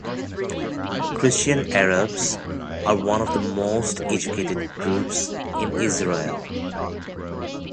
Christian Arabs are one of the most educated groups in Israel.